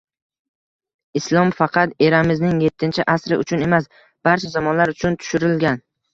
Islom faqat eramizning yettinchi asri uchun emas, barcha zamonlar uchun tushirilgan